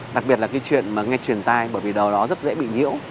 đặc biệt là cái chuyện nghe truyền tai bởi vì đầu đó rất dễ bị nhiễu